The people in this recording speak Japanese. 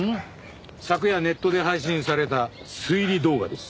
昨夜ネットで配信された推理動画です。